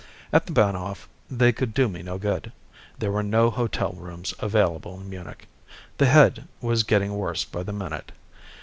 At the Bahnhof they could do me no good. There were no hotel rooms available in Munich. The head was getting worse by the minute.